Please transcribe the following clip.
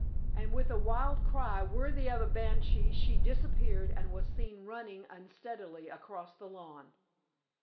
and with a wild cry worthy of a banshee she disappeared and was seen running unsteadily across the lawn.